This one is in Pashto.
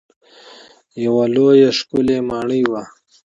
یوه لویه ښکلې ماڼۍ وه.